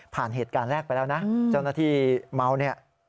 ผ่านเหตุการณ์แรกไปแล้วนะจนหน้าที่เมา